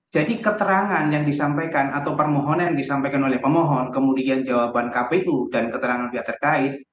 jadi keterangan yang disampaikan atau permohonan yang disampaikan oleh pemohon kemudian jawaban kp itu dan keterangan pihak terkait